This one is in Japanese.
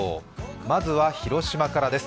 まずは広島からです。